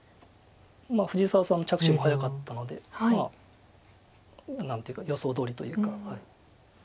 藤沢さんの着手が早かったのでまあ何というか予想どおりというか。